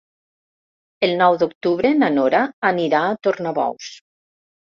El nou d'octubre na Nora anirà a Tornabous.